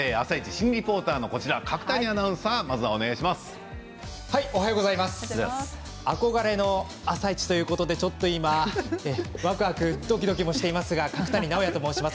新リポーターの角谷アナウンサー憧れの「あさイチ」ということでちょっと今わくわくどきどきしていますが角谷直也と申します。